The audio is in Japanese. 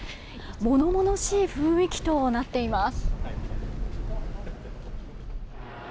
物々しい雰囲気となっています。